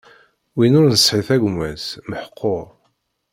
Win ur nesɛi tagmat meḥqur.